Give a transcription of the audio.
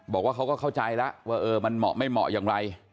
บอกว่าเขาก็เข้าใจแล้วว่ามันเหมาะไม่เหมาะอย่างไร